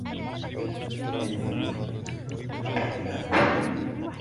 لِأَنَّهُ إنْ أَنْكَرَ كَابَرَ الْمَعْقُولَ